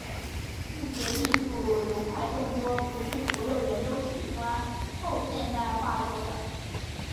视觉艺术流派众多，不是所有人都喜欢后现代画作的。